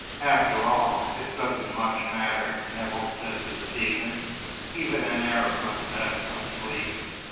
"After all, it doesn't much matter," Nevill said to Stephen. "Even an Arab must have some sleep.